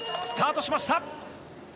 スタートしました。